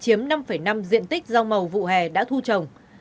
chiếm năm năm diện tích rau màu vụ hè đã thu trồng